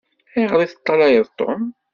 Ayɣeṛ i teṭṭalayeḍ Tom?